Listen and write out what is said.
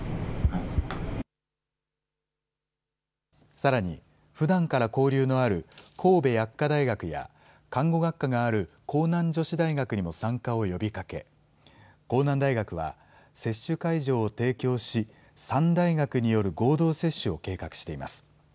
さらに、ふだんから交流のある神戸薬科大学や、看護学科がある甲南女子大学にも参加を呼びかけ、甲南大学は接種会場を提供し、３大学による合同接種を計画しています。